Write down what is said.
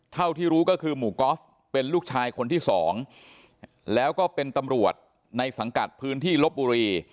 เท่าที่รู้ก็คือหมู่กอล์ฟเป็นลูกชายคนที่สองแล้วก็เป็นตำรวจในสังกัดพื้นที่ลบบุรี